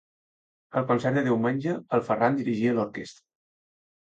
Al concert de diumenge, el Ferran dirigia l'orquestra.